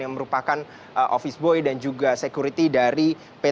yang merupakan office boy dan juga security dari pt